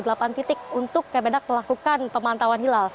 ini adalah kemampuan yang sangat penting untuk memanfaatkan pemantauan hilal